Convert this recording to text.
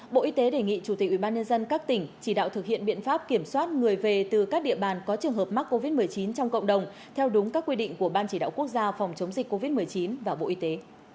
bộ y tế đề nghị chủ tịch ubnd các tỉnh chỉ đạo thực hiện biện pháp kiểm soát người về từ các địa bàn có trường hợp mắc covid một mươi chín trong cộng đồng theo đúng các quy định của ban chỉ đạo quốc gia phòng chống dịch covid một mươi chín và bộ y tế